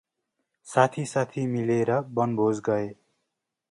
साथी साथी मिलेर, वनभोज गए ।